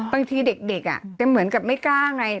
บางทีเด็กจะเหมือนกับไม่กล้าไง